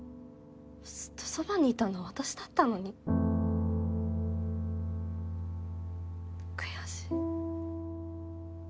ずっとそばにいたのは私だったのに悔しい。